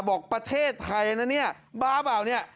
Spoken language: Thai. บอกประเทศไทยนะนี่บ้าบ่าวนี่